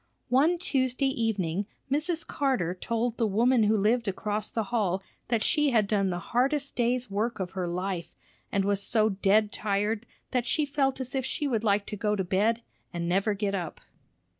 One Tuesday evening, Mrs. Carter told the woman who lived across the hall that she had done the hardest day's work of her life, and was so dead tired that she felt as if she would like to go to bed and never get up.